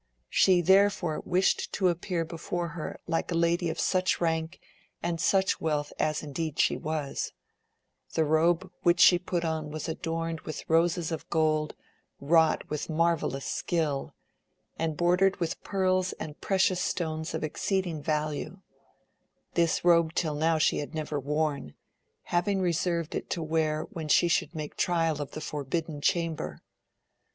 She therefore wished to appear before her AMADIS OF GAUL. 73 like a lady of such rank and such wealth as indeed she was; the robe which she put on was adorned with roses of gold, wrought with marvellous skill, and bor dered with pearls and precious stones of exceeding value, this robe till now she had never worn, having reserved it to wear when she should make trial of the Forbidden Chamber.